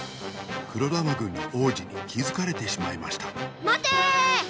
黒玉軍の王子にきづかれてしまいましたまてーー！